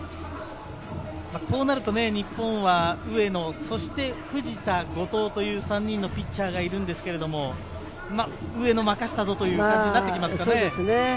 こうなると日本は上野そして藤田、後藤という３人のピッチャーがいますが、上野、任せたぞという感じになってきますかね。